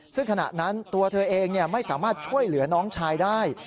ซึ่งขณะนั้นตัวเธอเองไม่สามารถช่วยเหลือน้องชายได้